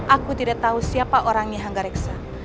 aku tidak tahu siapa orangnya hangga reksa